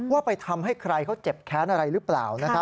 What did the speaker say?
ว่าไปทำให้ใครเขาเจ็บแค้นอะไรหรือเปล่า